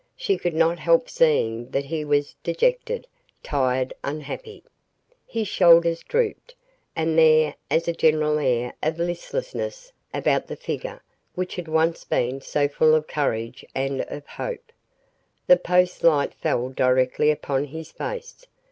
She could not help seeing that he was dejected, tired, unhappy. His shoulders drooped, and there as a general air of listlessness about the figure which had once been so full of courage and of hope. The post light fell directly upon his face.